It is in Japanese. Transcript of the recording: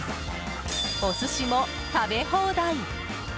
お寿司も食べ放題！